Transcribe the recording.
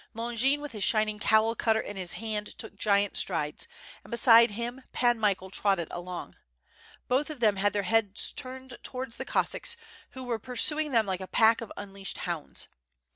Longin with his shining "Cowl cutter'* in his hand, took giant strides, and beside him Pan Michael trotted along. Both of them had their heads turned towards the Cossacks, who were pursuing them like a pack of unleashed hounds.